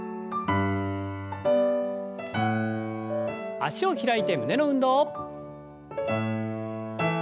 脚を開いて胸の運動。